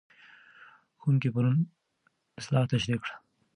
ښوونکی پرون اصلاح تشریح کړه.